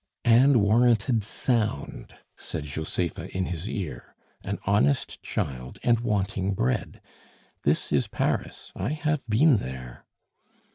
"And warranted sound," said Josepha in his ear. "An honest child, and wanting bread. This is Paris I have been there!"